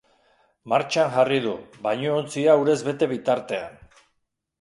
Martxan jarri du, bainuontzia urez bete bitartean.